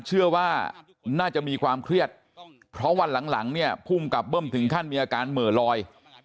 เชื่อว่าน่าจะมีความเครียดเพราะวันหลังเนี่ยภูมิกับเบิ้มถึงขั้นมีอาการเหม่อลอย